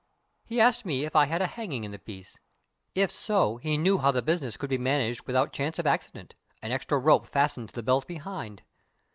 He asked me if I had a hanging in the piece. If so, he knew how the business could be managed without chance of accident an extra rope fastened to the belt behind.